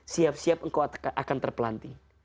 siap siap engkau akan terpelanti